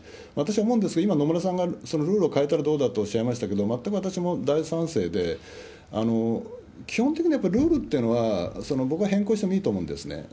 私、思うんですが、今、野村さんがそのルールを変えたらどうだとおっしゃいましたけど、全く私も大賛成で、基本的にはルールというのは僕は変更してもいいと思うんですね。